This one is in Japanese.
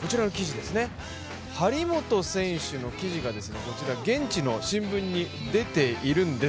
こちらの記事、張本選手の記事が現地の新聞に出ているんです。